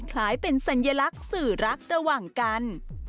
คล้ายเป็นสัญลักษณ์สื่อรักระหว่างกัน